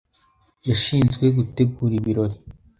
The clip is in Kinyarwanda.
Yashinzwe gutegura ibirori.